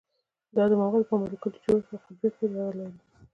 دا د موادو په مالیکولي جوړښت او قطبیت پورې اړه لري